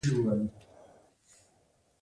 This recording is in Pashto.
دا کار بل کس ته د صلاحیت په سپارلو کیږي.